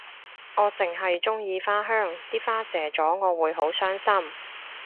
我淨係鍾意花香啲花謝咗我會好傷心